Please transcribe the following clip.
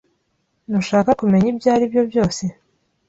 Ntushaka kumenya ibyo aribyo byose?